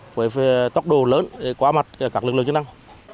với tốc độ lớn qua mặt các lực lượng chức năng